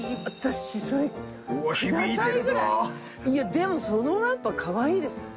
でもそのぐらいやっぱかわいいですよ。